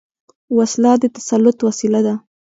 وسله د تسلط وسيله ده